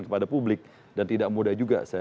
kepada publik dan tidak mudah juga saya